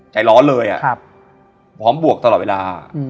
ใจร้อนเลยพร้อมบวกตลอดเวลา